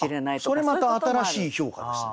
それまた新しい評価ですね。